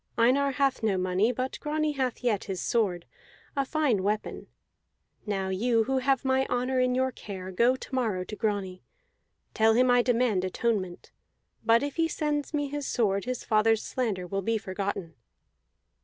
Einar hath no money; but Grani hath yet his sword, a fine weapon. Now you who have my honor in your care, go to morrow to Grani. Tell him I demand atonement; but if he sends me his sword his father's slander will be forgotten."